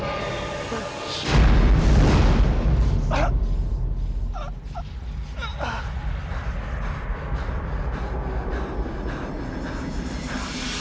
เอา